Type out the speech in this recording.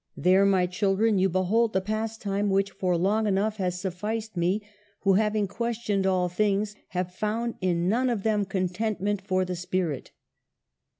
There, my children, you behold the pastime which, for long enough, has sufficed me, who, having questioned all things, have found in none of them contentment for the spirit.